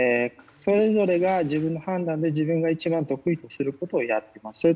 それぞれが自分の判断で自分が一番得意とすることをやっています。